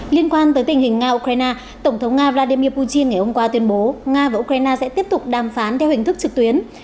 liên quan tới tình hình nga ukraine tổng thống nga vladimir putin ngày hôm qua tuyên bố nga và ukraine sẽ tiếp tục đàm phán theo hình thức trực tuyến